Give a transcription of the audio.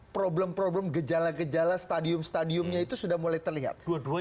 problem problem gejala gejala stadium stadiumnya itu sudah mulai terlihat